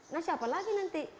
nah siapa lagi nanti